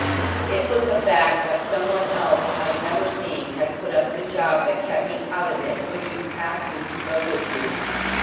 It was the fact that some one else I'd never seen had put up the job that kept me out of it when you asked me to go with you.